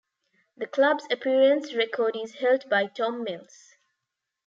The club's appearance record is held by Tom Mills.